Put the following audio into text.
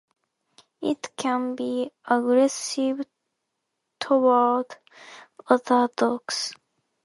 It can be aggressive toward other dogs.